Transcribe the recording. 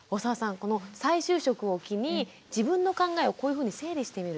この再就職を機に自分の考えをこういうふうに整理してみる。